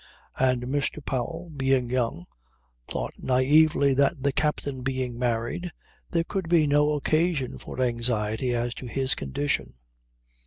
And Mr. Powell, being young, thought naively that the captain being married, there could be no occasion for anxiety as to his condition.